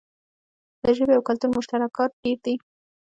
د ژبې او کلتور مشترکات ډیر دي.